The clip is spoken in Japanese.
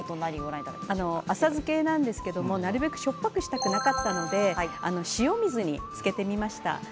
浅漬けなんですけれどなるべくしょっぱくしたくなかったので塩水につけてみました。